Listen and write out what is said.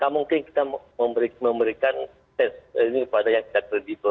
mungkin kita memberikan tes ini kepada yang tidak kredibel